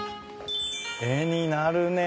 絵になるね。